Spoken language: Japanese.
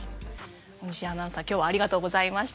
大西アナウンサー今日はありがとうございました。